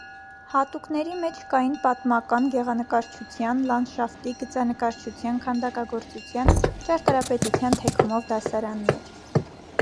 Հատուկների մեջ կային պատմական գեղանկարչության, լանդշաֆտի, գծանկարչության, քանդակագործության, ճարտարապետության թեքումով դասարաններ։